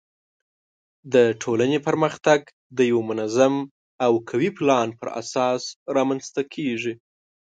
د ټولنې پرمختګ د یوه منظم او قوي پلان پر اساس رامنځته کیږي.